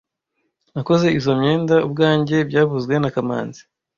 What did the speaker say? Nakoze izoi myenda ubwanjye byavuzwe na kamanzi